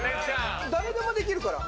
誰でもできるから。